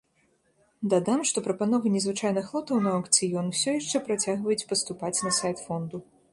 Дадам, што прапановы незвычайных лотаў на аўкцыён усё яшчэ працягваюць паступаць на сайт фонду.